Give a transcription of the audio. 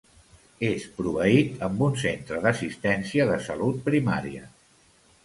És proveït amb un centre d'assistència de salut primària.